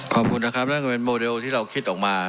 ขอบคุณนะครับเรื่องที่เราคิดออกมา